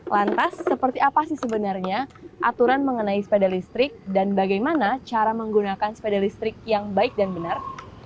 lantas seperti apa sih sebenarnya aturan mengenai sepeda listrik dan bagaimana cara menggunakan sepeda listrik yang baik dan benar